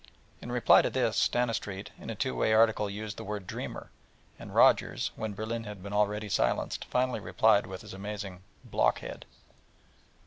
In reply to this, Stanistreet in a two column article used the word 'dreamer,' and Rogers, when Berlin had been already silenced, finally replied with his amazing 'block head.'